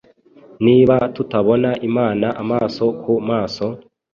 niba tutabona imana amaso ku maso,